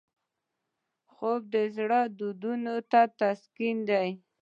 خوب د زړه دردونو ته تسکین دی